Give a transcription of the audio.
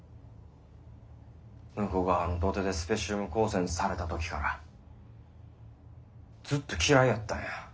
武庫川の土手でスペシウム光線された時からずっと嫌いやったんや。